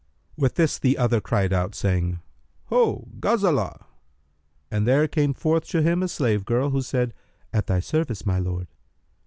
With this the other cried out, saying, "Ho, Ghazбlah![FN#302]"; and there came forth to him a slave girl, who said, "At thy service, O my lord!"